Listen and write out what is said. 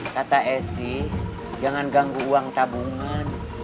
kata esi jangan ganggu uang tabungan